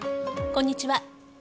こんにちは。